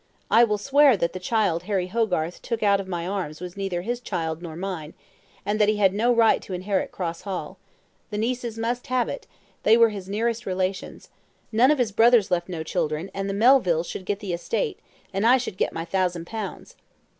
I will swear that the child Harry Hogarth took out of my arms was neither his child nor mine, and that he had no right to inherit Cross Hall. The nieces must have it; they were his nearest relations. None of his brothers left no children, and the Melvilles should get the estate, and I should get my thousand pounds."